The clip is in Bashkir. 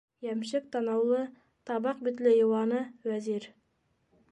Йәмшек танаулы, табаҡ битле йыуаны - Вәзир.